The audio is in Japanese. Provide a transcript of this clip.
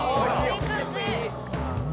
「いい感じ」